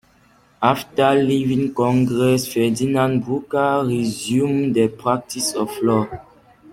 After leaving Congress, Ferdinand Brucker resumed the practice of law.